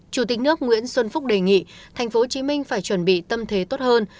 chủ tịch nước nguyễn xuân phúc đề nghị tp hcm phải chuẩn bị tâm thế tốt hơn